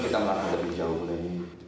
kita melakukan lebih jauh lagi